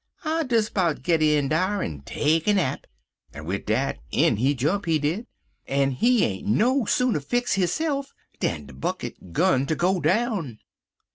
I'll des 'bout git in dar en take a nap,' en wid dat in he jump, he did, en he ain't no sooner fix hisse'f dan de bucket 'gun ter go down."